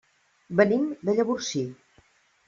Venim de Llavorsí.